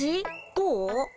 どう？